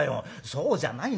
そうじゃないんだよ。